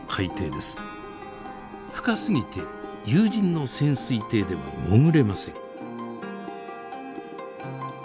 深すぎて有人の潜水艇では潜れません。